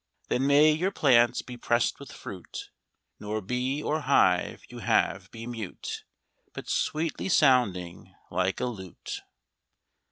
Then may your plants be press'd with fruit, Nor bee or hive you have be mute, But sweetly sounding like a lute.